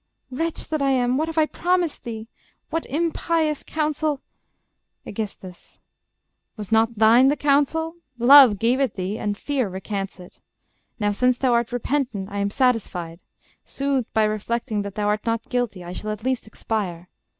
... Wretch that I am! what have I promised thee? What impious counsel? ... Aegis. Was not thine the counsel? Love gave it thee, and fear recants it. Now, Since thou'rt repentant, I am satisfied; Soothed by reflecting that thou art not guilty, I shall at least expire.